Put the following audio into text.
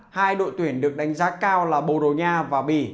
hai đội tuyển được đánh giá cao là borogna và bi